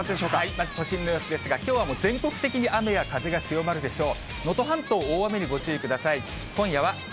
まず、都心の様子ですが、きょうは全国的に雨や風が強まるでしょう。